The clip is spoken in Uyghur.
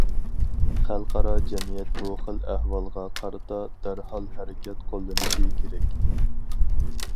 خەلقئارا جەمئىيەت بۇ خىل ئەھۋالغا قارىتا دەرھال ھەرىكەت قوللىنىشى كېرەك.